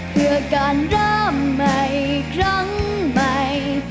เพื่อการเริ่มใหม่ครั้งใหม่